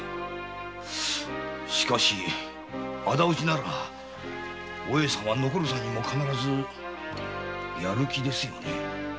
しかし仇討ちならお栄さんは残る三人も必ずやる気ですよ。